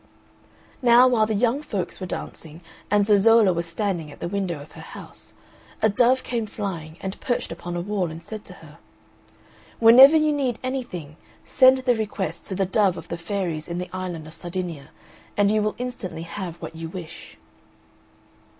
Now, while the young folks were dancing, and Zezolla was standing at the window of her house, a dove came flying and perched upon a wall, and said to her, "Whenever you need anything send the request to the Dove of the Fairies in the Island of Sardinia, and you will instantly have what you wish."